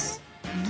何？